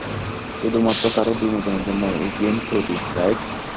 শুধুমাত্র কারো বিনোদনের জন্যই এই গেম তৈরি, রাইট?